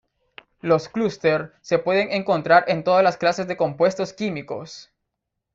Los clúster se pueden encontrar en todas las clases de compuestos químicos.